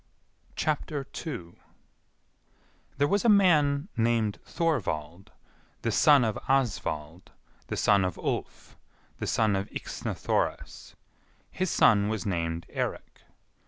2. There was a man named Thorvald, the son of Asvald, the son of Ulf, the son of Yxna Thoris. His son was named Eirik.